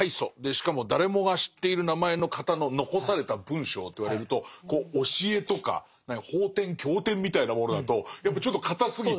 しかも誰もが知っている名前の方の残された文章といわれると教えとか法典経典みたいなものだとやっぱちょっと堅すぎて。